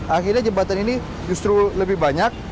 akhirnya jembatan ini justru lebih banyak